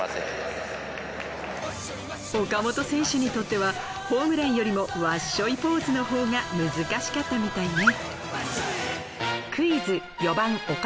岡本選手にとってはホームランよりもわっしょいポーズのほうが難しかったみたいね。